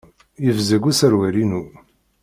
Yebzeg userwal-inu.